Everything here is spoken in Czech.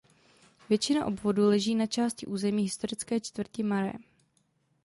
Většina obvodu leží na části území historické čtvrtě Marais.